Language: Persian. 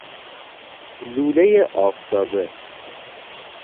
لولۀ آفتابه